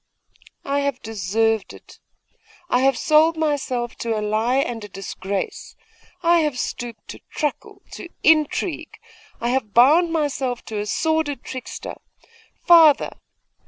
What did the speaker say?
'I have deserved it! I have sold myself to a lie and a disgrace! I have stooped to truckle, to intrigue! I have bound myself to a sordid trickster! Father!